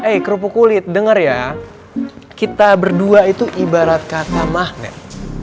eh kerupuk kulit dengar ya kita berdua itu ibarat kata magnet